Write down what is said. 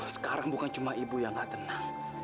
sekarang bukan cuma ibu yang terserah